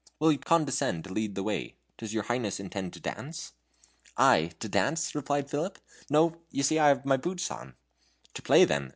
Will you condescend to lead the way? Does your Highness intend to dance?" "I? To dance?" replied Philip. "No you see I have boots on." "To play, then?"